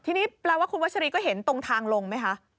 ทีนี้แปลว่าคุณวัชรีก็เห็นตรงทางลงไหมคะ